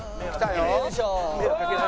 よいしょ！